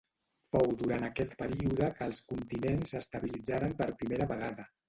Fou durant aquest període que els continents s'estabilitzaren per primera vegada.